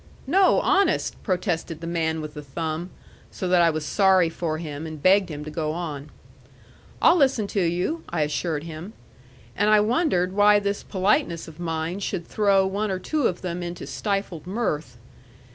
"No, honest," protested the man with the thumb; so that I was sorry for him, and begged him to go on. "I'll listen to you," I assured him. And I wondered why this politeness of mine should throw one or two of them into stifled mirth.